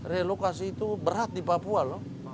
relokasi itu berat di papua loh